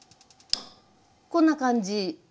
こんな感じ。